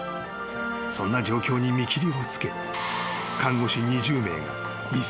［そんな状況に見切りをつけ看護師２０名が一斉に退職］